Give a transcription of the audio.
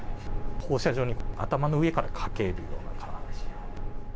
放射状に、頭の上からかけるような感じ。